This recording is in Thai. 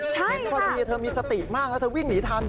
เห็นพอดีเธอมีสติมากแล้วเธอวิ่งหนีทัน